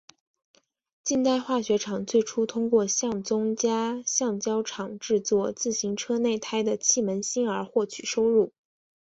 近代化学厂最初通过向宗家橡胶厂制作自行车内胎的气门芯而获取收入。